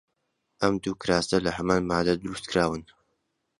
ئەم دوو کراسە لە هەمان ماددە دروست کراون.